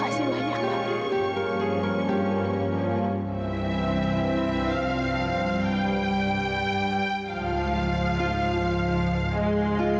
terima kasih pak